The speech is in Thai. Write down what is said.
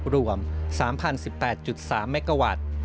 รวม๓๐๑๘๓เมกาวัตต์